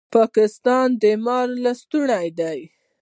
پاکستان د مار لستوڼی دی